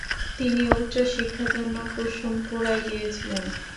তিনি উচ্চশিক্ষার জন্য কুসুমপুরায় গিয়েছিলেন।